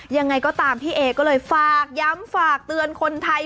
ยังไงก็ตามพี่เอก็เลยฝากย้ำฝากเตือนคนไทย